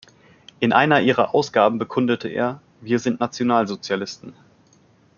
In einer ihrer Ausgaben bekundete er: „Wir sind Nationalsozialisten.